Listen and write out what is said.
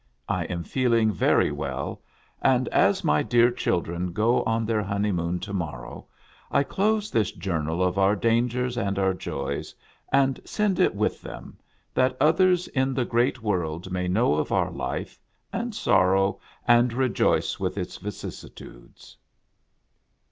I am feeling very well, and as my dear children go on their honeymoon to morrow, I close this journal of our dangers and our joys, and send it with them, that others in the great world may know of our life, and sorrow and rejoice with its vicissitudes.